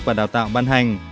và đào tạo ban hành